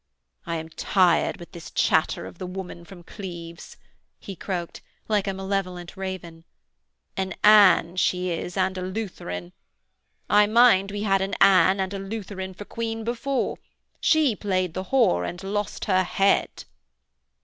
'I am tired with this chatter of the woman from Cleves,' he croaked, like a malevolent raven. 'An Anne she is, and a Lutheran. I mind we had an Anne and a Lutheran for Queen before. She played the whore and lost her head.'